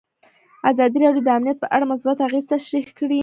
ازادي راډیو د امنیت په اړه مثبت اغېزې تشریح کړي.